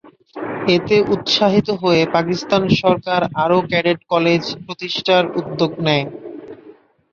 এতে উৎসাহিত হয়ে পাকিস্তান সরকার আরও ক্যাডেট কলেজ প্রতিষ্ঠার উদ্যোগ নেন।